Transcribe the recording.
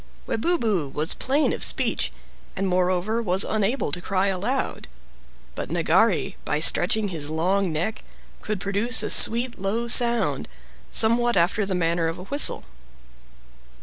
Webubu was plain of speech, and moreover was unable to cry aloud, but Nagari, by stretching his long neck, could produce a sweet low sound, somewhat after the manner of a whistle.